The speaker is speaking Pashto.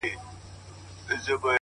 • كله؛ كله يې ديدن تــه لـيونـى سم؛